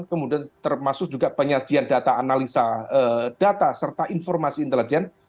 kemudian termasuk juga penyajian data analisa data serta informasi intelijen